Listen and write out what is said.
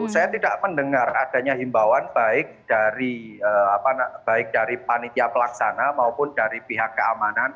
saya tidak mendengar adanya himbauan baik dari panitia pelaksana maupun dari pihak keamanan